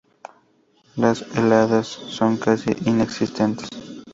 Las heladas son casi inexistentes.